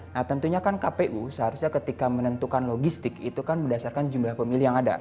nah tentunya kan kpu seharusnya ketika menentukan logistik itu kan berdasarkan jumlah pemilih yang ada